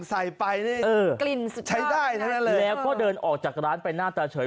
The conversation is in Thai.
ใส่ไปเนี่ยเออกลิ่นใช้ได้เลยแล้วก็เดินออกจากร้านไปหน้าตาเฉย